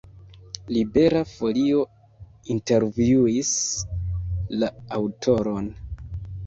Libera Folio intervjuis la aŭtoron.